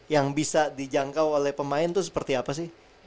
yang bisa dijangkau oleh pemain itu seperti apa sih